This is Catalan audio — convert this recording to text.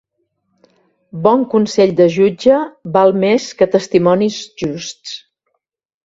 Bon consell de jutge val més que testimonis justs.